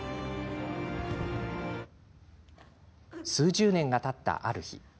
数十年がたったある日。